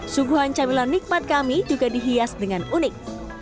suguhan camilan nikmat kami juga dihias dengan unik